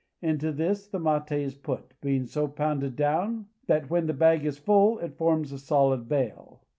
Into this the mate is put, being so pounded down that when the bag is full it forms a solid bale.